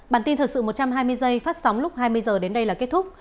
bản tin thời sự một trăm hai mươi giây phát sóng lúc hai mươi h đến đây là kết thúc